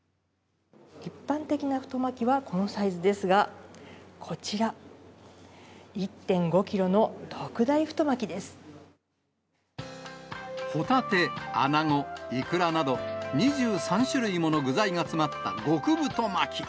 一般的な太巻きはこのサイズですが、こちら、ほたて、穴子、いくらなど、２３種類もの具材が詰まった極太巻き。